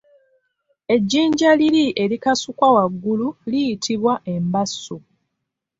Ejjinja liri erikasukwa waggulu liyitibwa embaso.